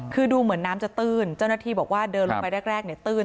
คือดูเหมือนน้ำจะตื้นเจ้าหน้าที่บอกว่าเดินลงไปแรกเนี่ยตื้น